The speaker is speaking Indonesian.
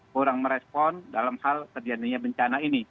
kurang merespon dalam hal terjadinya bencana ini